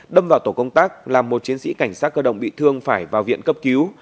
đâm vào tổ công tác làm một chiến sĩ cảnh sát cơ động bị thương phải vào viện cấp cứu